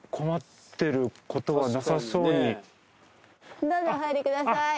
どうぞお入りください。